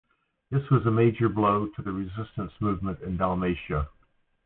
This was a major blow to the resistance movement in Dalmatia.